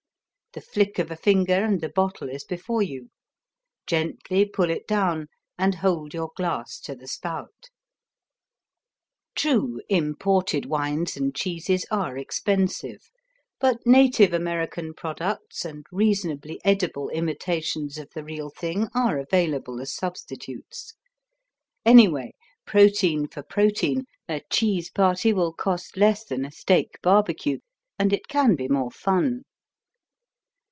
The flick of a finger and the bottle is before you. Gently pull it down and hold your glass to the spout. True, imported wines and cheeses are expensive. But native American products and reasonably edible imitations of the real thing are available as substitutes. Anyway, protein for protein, a cheese party will cost less than a steak barbecue. And it can be more fun.